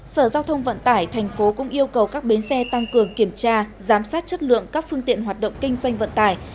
sở giao thông vận tải thành phố cũng yêu cầu các bến xe tăng cường kiểm tra giám sát chất lượng các phương tiện hoạt động kinh doanh vận tải